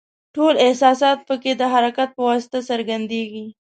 ټول احساسات پکې د حرکت په واسطه څرګندیږي.